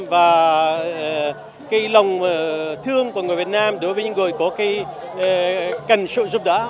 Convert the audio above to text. và cái lòng thương của người việt nam đối với những người có cần sự giúp đỡ